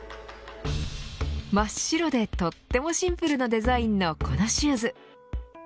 真っ白でとってもシンプルなデザインのこのシューズ